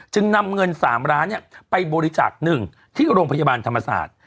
นำเงิน๓ล้านไปบริจาค๑ที่โรงพยาบาลธรรมศาสตร์